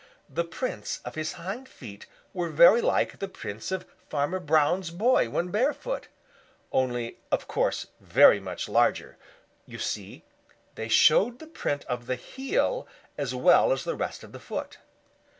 The prints of his hind feet were very like the prints of Farmer Brown's boy when barefooted, only of course very much larger. You see, they showed the print of the heel as well as the rest of the foot.